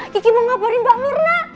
kikis mau ngabarin mbak mirna